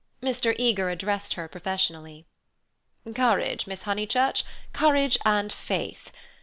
Mr. Eager addressed her professionally: "Courage, Miss Honeychurch, courage and faith.